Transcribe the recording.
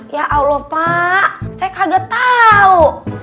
ya allah pak saya kagak tau